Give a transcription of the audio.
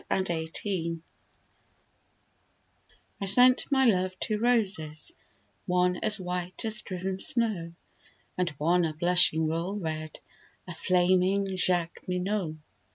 The White Flag I sent my love two roses, one As white as driven snow, And one a blushing royal red, A flaming Jacqueminot.